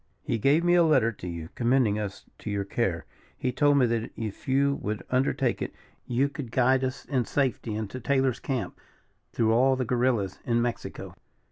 "He gave me a letter to you, commending us to your care. He told me that if you would undertake it, you could guide us in safety into Taylor's camp, through all the guerrillas in Mexico."